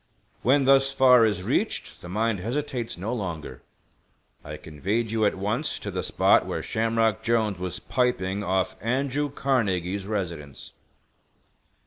When thus far is reached the mind hesitates no longer. I conveyed you at once to the spot where Shamrock Jolnes was piping off Andrew Carnegie's residence."